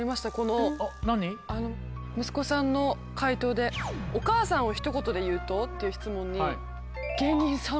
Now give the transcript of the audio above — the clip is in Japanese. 息子さんの回答で「お母さんを一言で言うと？」っていう質問に「芸人さん」。